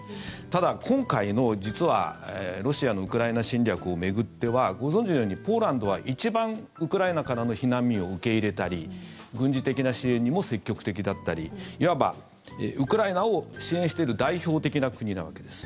ただ、今回の実はロシアのウクライナ侵略を巡ってはご存じのようにポーランドは一番ウクライナからの避難民を受け入れたり軍事的な支援にも積極的だったりいわばウクライナを支援している代表的な国なわけです。